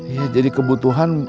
ya jadi kebutuhan